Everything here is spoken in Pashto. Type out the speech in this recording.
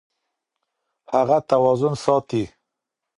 هغه توازن ساتي.